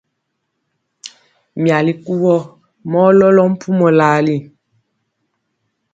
Myali kuvɔ mɔ lɔlɔ mpumɔ lali.